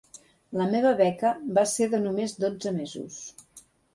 La meva beca va ser de només dotze mesos.